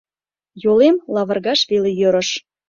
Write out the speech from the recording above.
Йолем лавыргаш веле йӧрыш.